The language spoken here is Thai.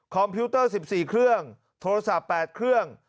พิวเตอร์๑๔เครื่องโทรศัพท์๘เครื่อง